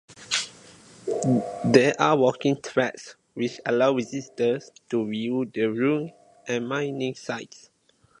There are walking tracks which allow visitors to view the ruins and mining sites.